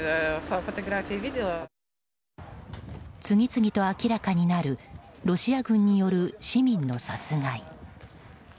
次々と明らかになるロシア軍による市民の殺害。